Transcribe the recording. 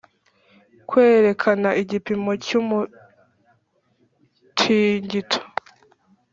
Kwerekana igipimo cy umutingito